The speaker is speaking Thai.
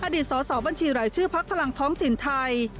อดีตสสบัญชีรายชื่อพักพลังท้องถิ่นไทย